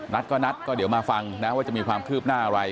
นัดก็นัดก็เดี๋ยวมาฟังนะว่าจะมีความคืบหน้าอะไร